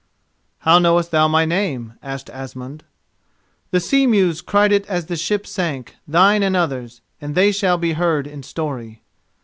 "How knowest thou my name?" asked Asmund. "The sea mews cried it as the ship sank, thine and others—and they shall be heard in story."